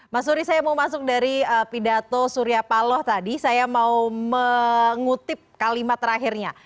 mas suri saya mau masuk dari pidato surya paloh tadi saya mau mengutip kalimat terakhirnya